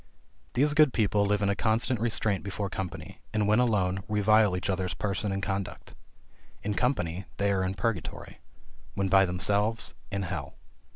These good people live in a constant restraint before company, and when alone, revile each other's person and conduct. In company they are in purgatory; when by themselves, in hell.